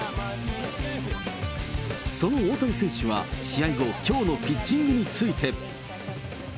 その大谷選手は試合後、きょうのピッチングについて。